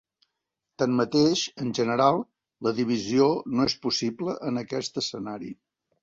Tanmateix, en general, la divisió no és possible en aquest escenari.